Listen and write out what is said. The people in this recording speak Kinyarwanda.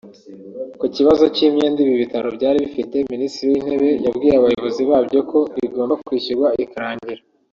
Ku kibazo cy’imyenda ibi bitaro byari bifite Minisitiri w’Intebe yabwiye abayobozi babyo ko igomba kwishyurwa ikarangira